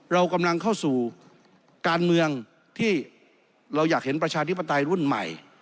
เรากำลังเข้าสู่การเมืองที่เราอยากเห็นประชาธิปไตยรุ่นใหม่